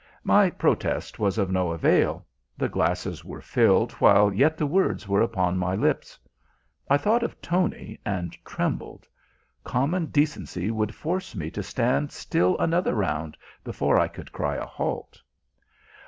My protest was of no avail. The glasses were filled while yet the words were upon my lips. I thought of Tony, and trembled. Common decency would force me to stand still another round before I could cry a halt.